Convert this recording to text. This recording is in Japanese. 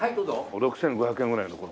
６５００円ぐらいの所の。